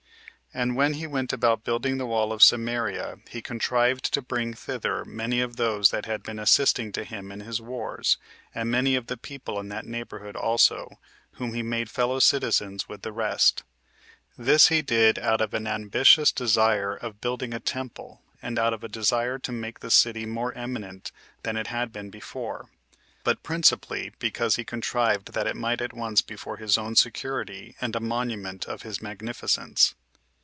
And when he went about building the wall of Samaria, he contrived to bring thither many of those that had been assisting to him in his wars, and many of the people in that neighborhood also, whom he made fellow citizens with the rest. This he did out of an ambitious desire of building a temple, and out of a desire to make the city more eminent than it had been before; but principally because he contrived that it might at once be for his own security, and a monument of his magnificence.